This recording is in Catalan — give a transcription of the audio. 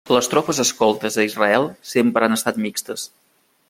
Les tropes escoltes a Israel sempre han estat mixtes.